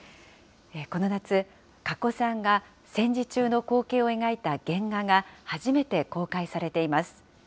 この夏、かこさんが戦時中の光景を描いた原画が、初めて公開されています。